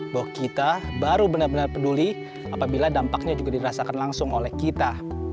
bahwa kita baru benar benar peduli apabila dampaknya juga dirasakan langsung oleh kita